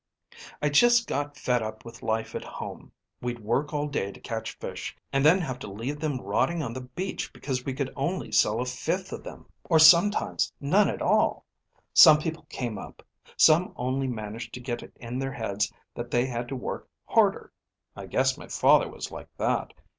"I just got fed up with life at home. We'd work all day to catch fish, and then have to leave them rotting on the beach because we could only sell a fifth of them, or sometimes none at all. Some people gave up; some only managed to get it in their heads that they had to work harder. I guess my father was like that.